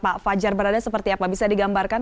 pak fajar berada seperti apa bisa digambarkan